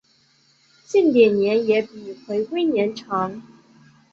近点年也比回归年长。